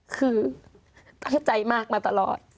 คือตั้งใจมากมาตลอด